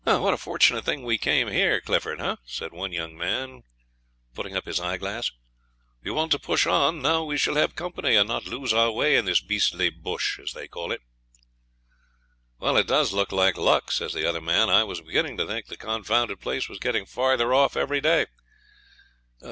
'What a fortunate thing we came here, Clifford, eh?' says one young fellow, putting up his eyeglass. 'You wanted to push on. Now we shall have company, and not lose our way in this beastly "bush", as they call it.' 'Well, it does look like luck,' says the other man. 'I was beginning to think the confounded place was getting farther off every day.